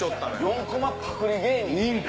４コマパクり芸人。